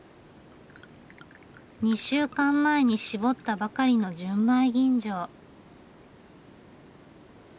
２週間前にしぼったばかりの純米吟醸。